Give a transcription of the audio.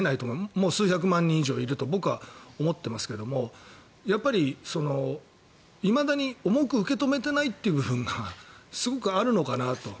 もう数百万人以上いると僕は思っていますけどやっぱり、いまだに重く受け止めていないという部分がすごくあるのかなと。